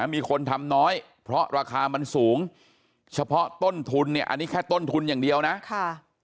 มีคนทำน้อยเพราะราคามันสูงเฉพาะต้นทุนเนี่ยอันนี้แค่ต้นทุนอย่างเดียวนะค่ะ